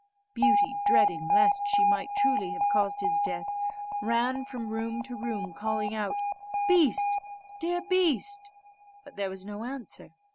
Beauty, dreading lest she might truly have caused his death, ran from room to room, calling out, "Beast, dear beast;" but there was no answer.